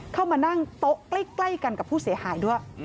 เข้ามานั่งโต๊ะใกล้กันกับผู้เสียหายด้วย